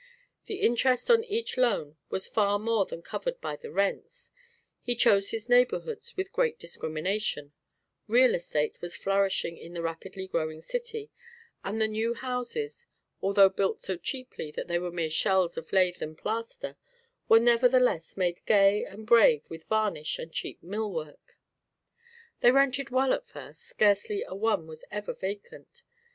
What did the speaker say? The interest on each loan was far more than covered by the rents; he chose his neighbourhoods with great discrimination; real estate was flourishing in the rapidly growing city, and the new houses, although built so cheaply that they were mere shells of lath and plaster, were nevertheless made gay and brave with varnish and cheap mill work. They rented well at first, scarcely a one was ever vacant.